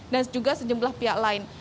dan juga sejumlah pihak lain